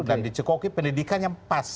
dan dicekoki pendidikan yang pas